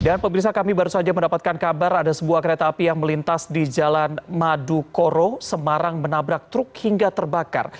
dan pemirsa kami baru saja mendapatkan kabar ada sebuah kereta api yang melintas di jalan madu koro semarang menabrak truk hingga terbakar